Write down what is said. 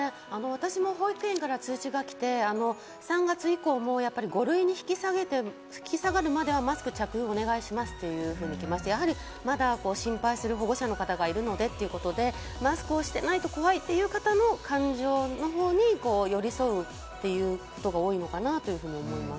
私も保育園から通知が来て、３月以降も５類に引き下がるまではマスク着用をお願いしますと来まして、まだ心配する保護者の方がいるのでということで、マスクをしていないと怖いという方の感情のほうに寄り添うということが多いのかなと思います。